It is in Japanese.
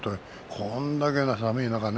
これだけ寒い中。